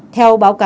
theo báo cáo